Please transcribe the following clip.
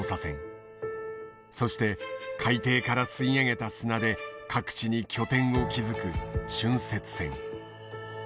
そして海底から吸い上げた砂で各地に拠点を築く浚渫船。